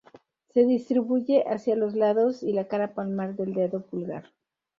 Se distribuye hacia los lados y la cara palmar del dedo pulgar.